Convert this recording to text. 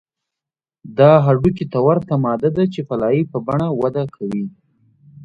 دا هډوکي ته ورته ماده ده چې په لایې په بڼه وده کوي